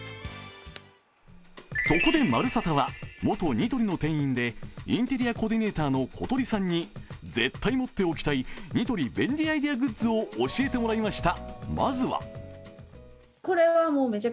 そこで「まるサタ」は元ニトリの店員でインテリアコーディネーターのことりさんに絶対持っておきたいニトリ便利アイデアグッズを教えてもらいました。